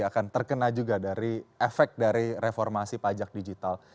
akan terkena juga dari efek dari reformasi pajak digital